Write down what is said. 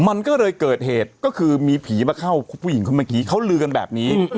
มันก็เลยเกิดเหตุก็คือมีผีมาเข้าผู้หญิงคนเมื่อกี้เขาลือกันแบบนี้